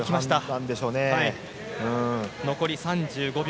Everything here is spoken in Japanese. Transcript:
残り３５秒。